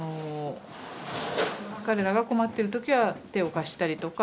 彼らが困ってる時は手を貸したりとか。